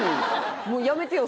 もうやめてよ